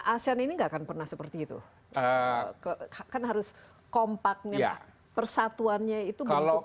asean ini nggak akan pernah seperti itu kan harus kompak persatuannya itu bentuknya ini masih